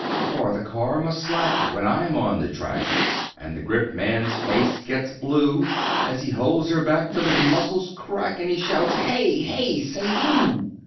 For the car must slack when I'm on the track, And the gripman's face gets blue, As he holds her back till his muscles crack, And he shouts, "Hey, hey! Say, you!